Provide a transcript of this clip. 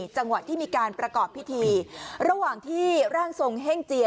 จังหวะที่มีการประกอบพิธีระหว่างที่ร่างทรงเฮ่งเจีย